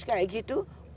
wuh bagus banget ini